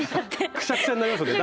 くしゃくしゃになりますよね。